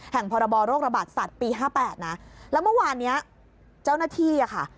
พรบโรคระบาดสัตว์ปีห้าแปดนะแล้วเมื่อวานเนี้ยเจ้าหน้าที่อ่ะค่ะ